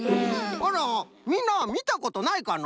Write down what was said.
あらみんなみたことないかの？